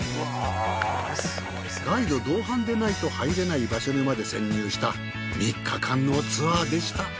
ガイド同伴でないと入れない場所にまで潜入した３日間のツアーでした。